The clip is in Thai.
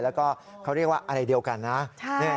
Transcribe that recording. แล้วก็เขาเรียกว่าอะไรเดียวกันนะ